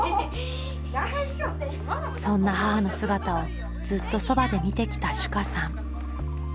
そんな母の姿をずっとそばで見てきた珠夏さん。